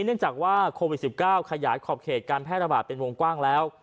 เนื่องจากว่าโควิด๑๙ขยายขอบเขตการแพร่ระบาดเป็นวงกว้างแล้ว